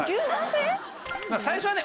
最初はね